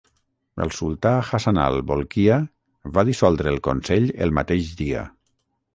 El sultà Hassanal Bolkiah va dissoldre el Consell el mateix dia.